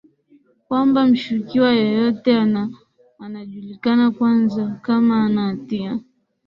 kwamba mshukiwa yeyote ana anajulikana kwanza kama hana hatia